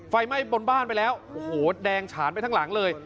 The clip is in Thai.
ไฟไหม้บนบ้านไปแล้วโอ้โหแดงฉานไปทั้งหลังเลย